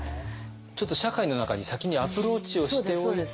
ちょっと社会の中に先にアプローチをしておいて。